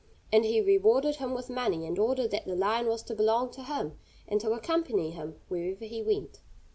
And he rewarded him with money, and ordered that the lion was to belong to him, and to accompany him wherever he went.